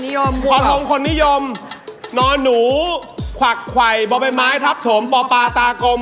ธรรหารอดทนธรพงคนนิยมนอนหนูควักไข่บ่ไปไม้ทับโถมป่าปลาตากลม